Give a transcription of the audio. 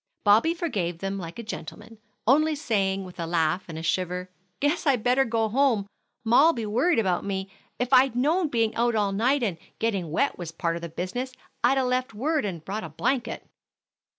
Bobby forgave them like a gentleman, only saying, with a laugh and a shiver, "Guess I'd better go home, ma'll be worried about me. If I'd known being out all night and getting wet was part of the business, I'd 'a' left word and brought a blanket.